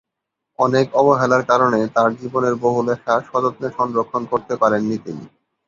অনেক অবহেলার কারণে তাঁর জীবনের বহু লেখা সযত্নে সংরক্ষণ করতে পারেন নি তিনি।